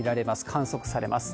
観測されます。